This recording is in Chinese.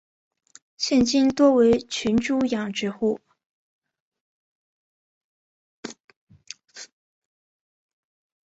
现今多为群猪养殖户。